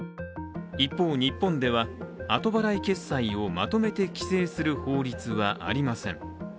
一方、日本では後払い決済をまとめて規制する法律はありません。